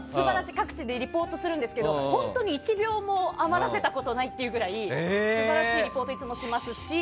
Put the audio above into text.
各地でリポートするんですけど本当に１秒も余らせたことないっていうくらい素晴らしいリポートをいつもしますし。